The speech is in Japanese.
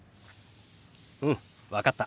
うん分かった。